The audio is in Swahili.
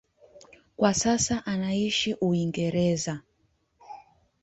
Kwa sasa anaishi Uingereza.